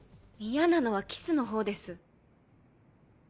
嫌なのはキスの方です。